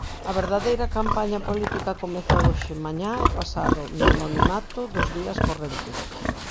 A verdadeira campaña política comeza hoxe, mañá e pasado, no anonimato dos días correntes.